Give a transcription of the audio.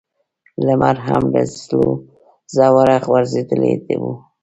لمر هم له زوره غورځېدلی و.